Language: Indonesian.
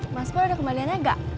maskur ada kembaliannya engga